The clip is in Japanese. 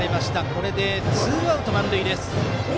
これでツーアウト満塁。